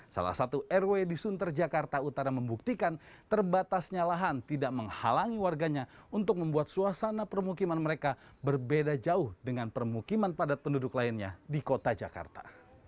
salah satu rw di sunter jakarta utara membuktikan terbatasnya lahan tidak menghalangi warganya untuk membuat suasana permukiman mereka berbeda jauh dengan permukiman padat penduduk lainnya di kota jakarta